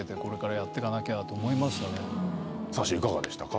さっしーいかがでしたか？